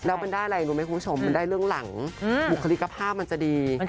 แล้วมันได้อะไรรู้ไหมคุณผู้ชมมันได้เรื่องหลังบุคลิกภาพมันจะดี